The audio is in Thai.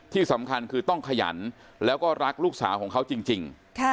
ที่สำคัญคือต้องขยันแล้วก็รักลูกสาวของเขาจริง